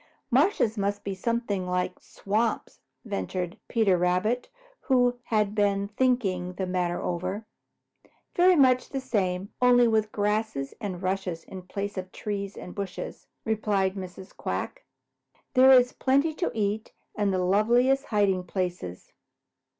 "Marshes must be something like swamps," ventured Peter Rabbit, who had been thinking the matter over. "Very much the same, only with grass and rushes in place of trees and bushes," replied Mrs. Quack. "There is plenty to eat and the loveliest hiding places.